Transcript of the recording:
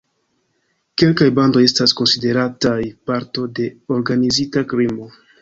Kelkaj bandoj estas konsiderataj parto de organizita krimo.